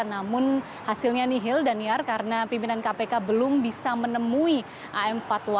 namun hasilnya nihil daniar karena pimpinan kpk belum bisa menemui am fatwa